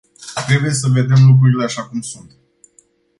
Trebuie să vedem lucrurile așa cum sunt.